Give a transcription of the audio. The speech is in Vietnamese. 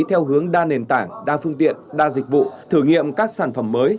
theo hướng đa nền tảng đa phương tiện đa dịch vụ thử nghiệm các sản phẩm mới